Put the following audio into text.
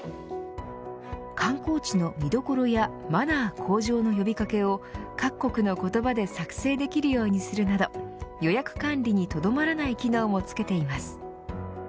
観光地の見どころやマナー向上の呼び掛けを各国の言葉で作成できるようにするなど予約管理にとどまらない機能もつけています。